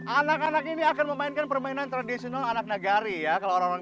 anak anak ini akan memainkan permainan tradisional anak negari ya kalau orang orang